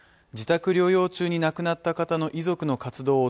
自宅療養中に亡くなった方の遺族の活動